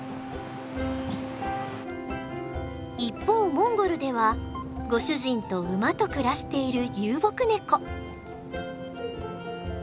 一方モンゴルではご主人と馬と暮らしている遊牧ネコ。